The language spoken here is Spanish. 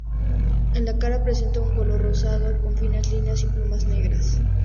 En la cara presente un color rosado con finas líneas de plumas negras.